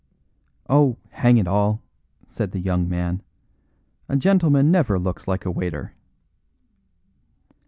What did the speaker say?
"Oh, hang it all!" said the young man, "a gentleman never looks like a waiter."